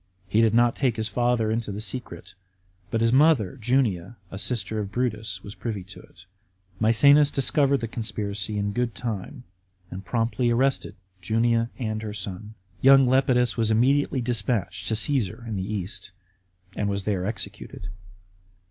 He did not take his father into the secret, but his mother Junia, a sister of Brutus, was privy to it. Maecenas discovered the conspiracy in good time, and promptly arrested Junia and her son. Young Lepidus was immediately despatched to Caesar in the East, and was there executed.